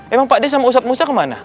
emang pakde sama ustadz musa kemana